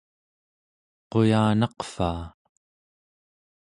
quyanaqvaa